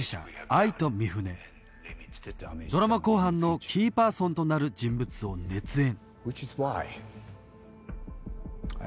アイト・ミフネドラマ後半のキーパーソンとなる人物を熱演